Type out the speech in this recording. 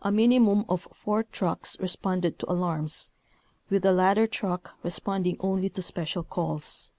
A minimum of four trucks responded to alarms, with the ladder truck re sponding only to special calls.